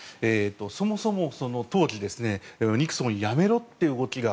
そもそも当時ニクソン辞めろという動きが